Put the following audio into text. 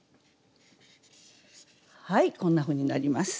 こんなふうになります。